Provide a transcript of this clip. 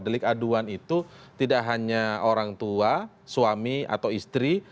delik aduan itu tidak hanya orang tua suami atau istri